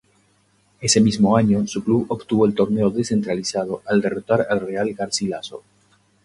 Ese mismo año, su club obtuvo el Torneo Descentralizado al derrotar al Real Garcilaso.